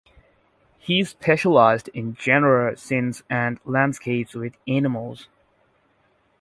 He specialized in genre scenes and landscapes with animals.